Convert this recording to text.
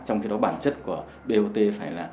trong khi đó bản chất của bot phải là